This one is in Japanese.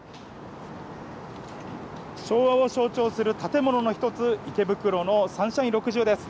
昭和を象徴する建物の一つ、池袋のサンシャイン６０です。